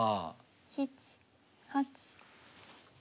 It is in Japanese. ７８。